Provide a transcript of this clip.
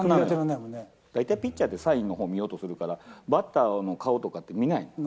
大体ピッチャーってサインのほう見ようとするから、バッターの顔とかって見ない。